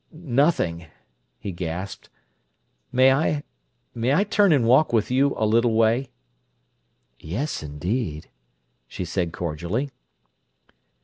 "Nothing!" he gasped. "May I—may I turn and walk with you a little way?" "Yes, indeed!" she said cordially.